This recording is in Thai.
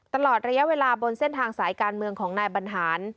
ตลอดระยะเวลาบนเส้นทางสายการเมืองของนายบรรหาร